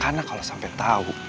karena kalau sampai tahu